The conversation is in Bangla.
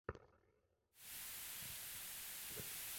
এইটি জানলে আর কারও সঙ্গে আমরা তর্ক করি না।